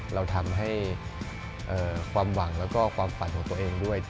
เราทำให้ความหวังแล้วก็ความฝันของตัวเองด้วย